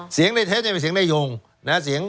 เสียงในเทปเป็นเสียงในยง